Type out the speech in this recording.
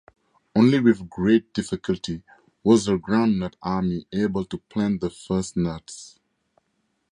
Only with great difficulty was the Groundnut Army able to plant the first nuts.